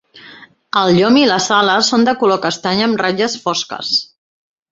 El llom i les ales són de color castany amb ratlles fosques.